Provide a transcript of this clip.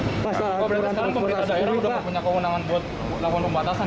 pak sekarang pemerintah daerah sudah punya keundangan buat lakukan pembatasan